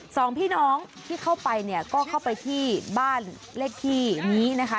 สองพี่น้องที่เข้าไปเนี่ยก็เข้าไปที่บ้านเลขที่นี้นะคะ